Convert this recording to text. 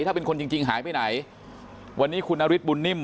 ถ้าเป็นคนจริงจริงหายไปไหนวันนี้คุณนฤทธบุญนิ่ม